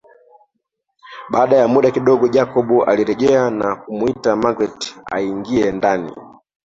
baada ya muda kidogo Jacob alirejea na kumuita magreth aingie ndani